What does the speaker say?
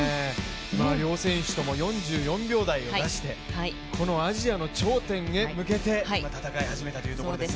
両選手とも４４秒台を出してこのアジアの頂点へ向けて戦い始めたというところですね。